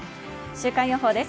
週間予報です。